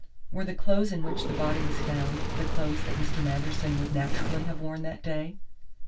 Were the clothes in which the body was found the clothes that Mr. Manderson would naturally have worn that day?"